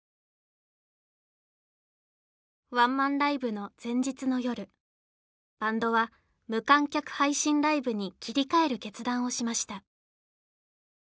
ワンマンライブのバンドは無観客配信ライブに切り替える決断をしました